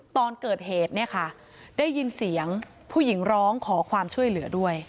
ตอนเกิดเหตุเนี่ยค่ะได้ยินเสียงผู้หญิงร้องขอความช่วยเหลือด้วย